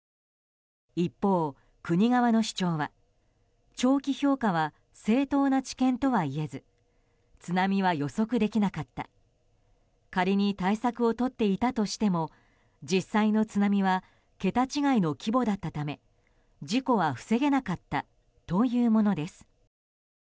一方、国側の主張は長期評価は正当な知見とはいえず津波は予測できなかった仮に対策をとっていたとしても実際の津波は桁違いの規模だったため事故は防げなかったというものです。